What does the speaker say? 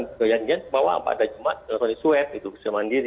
kejadian kejadian kebawah pada jumat sudah diswep itu bisa mandiri